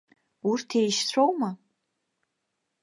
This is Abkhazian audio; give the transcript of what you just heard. Урҭ еишьцәоума?